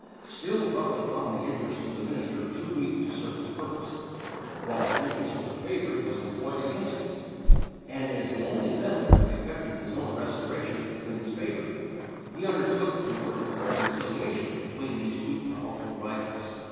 Still Raleigh found the interest of the minister too weak to serve his purpose, while the interest of the favorite was employed against him; and, as the only method of effecting his own restoration to the Queen's favor, he undertook to work a reconciliation between these two powerful rivals.